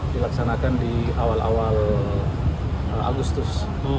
dilaksanakan di awal awal agustus dua ribu dua puluh tiga